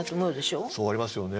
そうなりますよね。